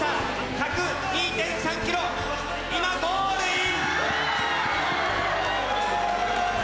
１０２．３ｋｍ今ゴールイン！